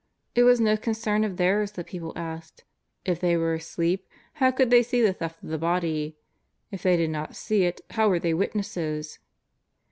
It was no concern of theirs that people asked: if they were asleep how could they see the theft of the body ? If they did not see it how were they witnesses?